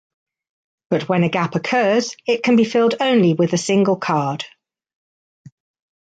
But when a gap occurs, it can be filled only with a single card.